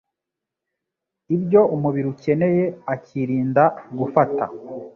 ibyo umubiri ukeneye, akirinda gufata